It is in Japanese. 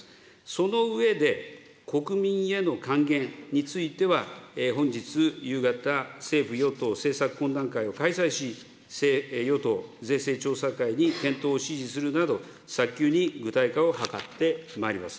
その上で、国民への還元については、本日夕方、政府与党政策懇談会を開催し、政府与党税制調査会に検討を指示するなど、早急に具体化を図ってまいります。